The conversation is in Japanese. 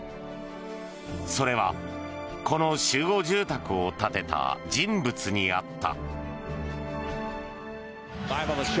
それはこの集合住宅を建てた人物にあった。